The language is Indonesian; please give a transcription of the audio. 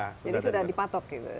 jadi sudah dipatok gitu